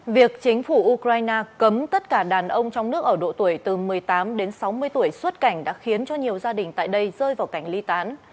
việc chính phủ ukraine cấm tất cả đàn ông trong nước ở độ tuổi từ một mươi tám đến sáu mươi tuổi xuất cảnh đã khiến cho nhiều gia đình tại đây rơi vào cảnh ly tán